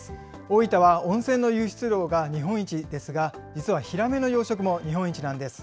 大分は温泉の湧出量が日本一ですが、実はヒラメの養殖も日本一なんです。